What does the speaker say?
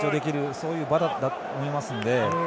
そういう場だと思いますので。